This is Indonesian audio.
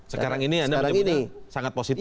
sekarang ini anda menyebutnya sangat positif